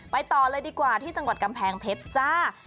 ต่อเลยดีกว่าที่จังหวัดกำแพงเพชรจ้า